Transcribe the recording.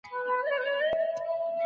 په نولسمه پېړۍ کي کوم علوم پيدا سول؟